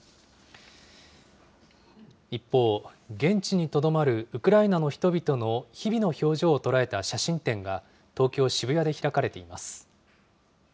一方、現地にとどまるウクライナの人々の日々の表情を捉えた写真展が、東京・渋谷で開かれています。